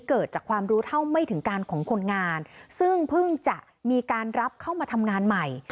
เกิดจากความรู้เท่าไม่ถึงการของคนงานซึ่งเพิ่งจะมีการรับเข้ามาทำงานใหม่